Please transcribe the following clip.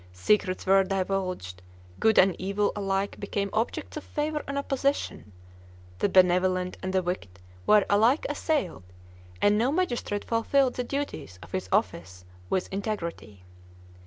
Secrets were divulged, good and evil alike became objects of favor and opposition, the benevolent and the wicked were alike assailed, and no magistrate fulfilled the duties of his office with integrity.